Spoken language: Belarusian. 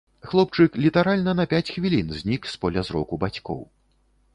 Хлопчык літаральна на пяць хвілін знік з поля зроку бацькоў.